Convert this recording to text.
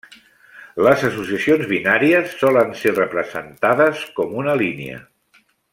Les associacions binàries solen ser representades com una línia.